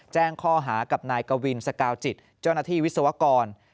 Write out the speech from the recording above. แจ้งข้อหากับนายกวินสกาวจิตเจ้าหน้าที่วิศวกร